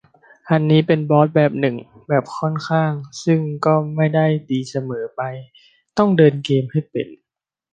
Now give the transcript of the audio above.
อันนี้เป็นบอสแบบหนึ่ง แบบค่อนข้าง ซึ่งก็ไม่ได้ดีกว่าเสมอไป ต้องเดินเกมให้เป็น